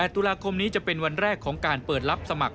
ตุลาคมนี้จะเป็นวันแรกของการเปิดรับสมัคร